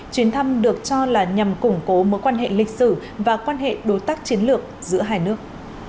chuyến thăm được cho là nhằm củng cố mối quan hệ lịch sử và quan hệ đối tác chiến lược giữa hai nước